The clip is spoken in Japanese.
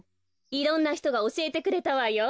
いろんなひとがおしえてくれたわよ。